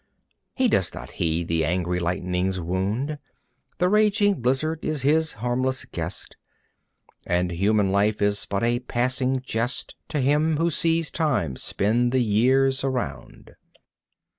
He does not heed the angry lightning's wound, The raging blizzard is his harmless guest, And human life is but a passing jest To him who sees Time spin the years around.